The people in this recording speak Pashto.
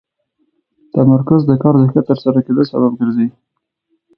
تمرکز د کار د ښه ترسره کېدو سبب ګرځي.